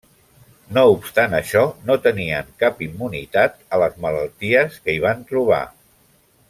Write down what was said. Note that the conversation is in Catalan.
No obstant això no tenien cap immunitat a les malalties que hi van trobar.